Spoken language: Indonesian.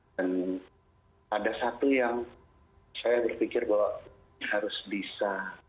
ada satu yang saya berpikir bahwa harus bisa